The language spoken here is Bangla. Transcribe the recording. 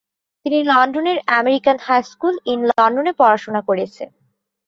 তিনি লন্ডনের অ্যামেরিকান হাই স্কুল ইন লন্ডনে পড়াশোনা করেছেন।